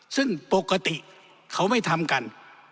ซึ่งปกติเขาไม่ทำกัน